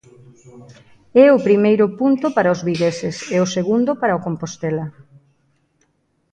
É o primeiro punto para os vigueses, e o segundo para o Compostela.